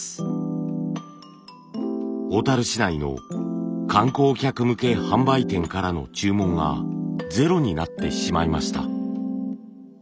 小市内の観光客向け販売店からの注文がゼロになってしまいました。